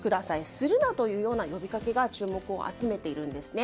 するな！というような呼びかけが注目を集めているんですね。